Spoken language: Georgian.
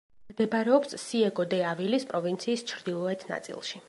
მდებარეობს სიეგო-დე-ავილის პროვინციის ჩრდილოეთ ნაწილში.